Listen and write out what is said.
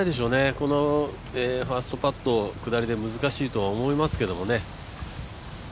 このファーストパット下りで難しいとは思いますけどね。